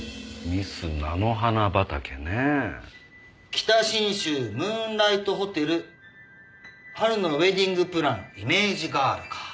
「北信州ムーンライトホテル春のウェディングプランイメージガール」か。